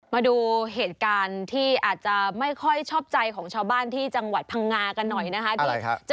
มาดูเหตุการณ์ที่อาจจะไม่ค่อยชอบใจของชาวบ้านที่จังหวัดพังงากันหน่อยนะคะ